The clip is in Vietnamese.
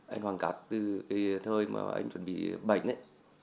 anh hoàng cát từ thời mà anh chuẩn bị bệnh ấy